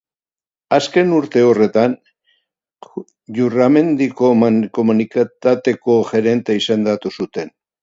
Azken urte horretan, Jurramendiko Mankomunitateko gerente izendatu zuten.